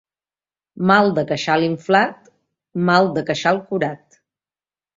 Mal de queixal inflat, mal de queixal curat.